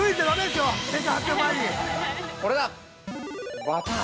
◆これだ。